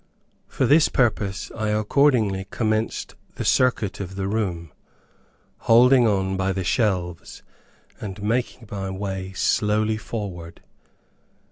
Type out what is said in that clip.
For this purpose I accordingly commenced the circuit of the room, holding on by the shelves, and making my way slowly onward.